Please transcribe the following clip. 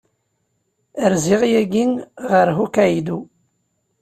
Rziɣ yagi ɣef Hokkaido.